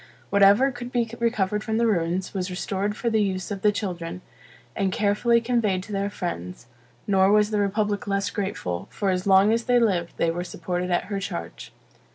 Whatever could be recovered from the ruins, was restored for the use of the children, and carefully conveyed to their friends; nor was the republic less grateful; for as long as they lived, they were supported at her charge.